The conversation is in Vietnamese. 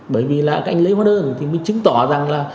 bởi vì là anh lấy hóa đơn thì mới chứng tỏ rằng là